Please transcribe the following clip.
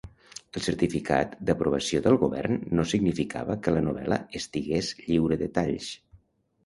El certificat d'aprovació del govern no significava que la novel·la estigués lliure de talls.